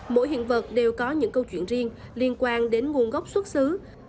mỗi hiện vật đều có những câu chuyện riêng liên quan đến nguồn gốc xuất xứ